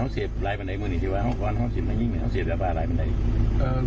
อ๋อเสียบรายบันไดมือหนึ่งที่ว่าอ๋ออ๋อเสียบรายบันได